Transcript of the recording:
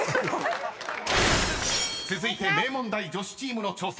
［続いて名門大女子チームの挑戦］